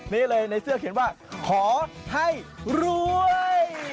นี่เลยในเสื้อเขียนว่าขอให้รวย